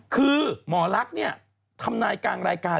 คือหมอลักษณ์เนี่ยทำนายกลางรายการ